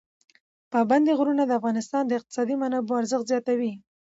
پابندی غرونه د افغانستان د اقتصادي منابعو ارزښت زیاتوي.